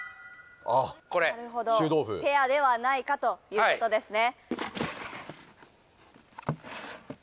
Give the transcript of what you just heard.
これなるほどペアではないかということですね